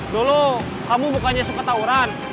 dulu kamu bukannya suka tawuran